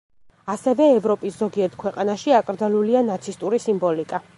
ასევე, ევროპის ზოგიერთ ქვეყანაში აკრძალულია ნაცისტური სიმბოლიკა.